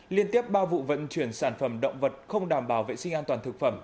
liên tiếp ba vụ vận chuyển sản phẩm động vật không đảm bảo vệ sinh an toàn thực phẩm